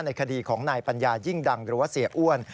คดีของนายปัญญายิ่งดังหรือว่าเสียอ้วน